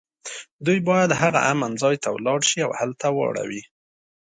دوی باید هغه امن ځای ته ولاړ شي او هلته واړوي